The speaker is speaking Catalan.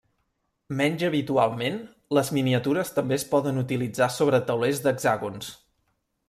Menys habitualment, les miniatures també es poden utilitzar sobre taulers d'hexàgons.